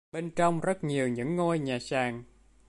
Bên trong rất nhiều những ngôi nhà sàn